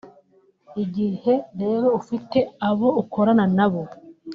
igihe rero ufite abo ukorana nabo